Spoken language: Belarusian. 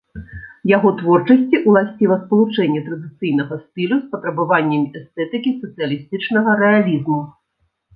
Яго творчасці ўласціва спалучэнне традыцыйнага стылю з патрабаваннямі эстэтыкі сацыялістычнага рэалізму.